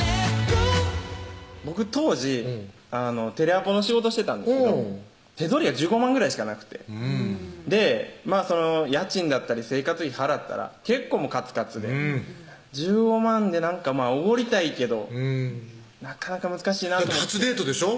僕当時テレアポの仕事してたんですけど手取りが１５万ぐらいしかなくて家賃だったり生活費払ったら結構カツカツで１５万で何かおごりたいけどなかなか難しいなだって初デートでしょ？